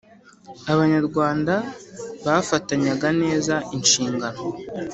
abanyarwanda bafatanyaga neza inshingano.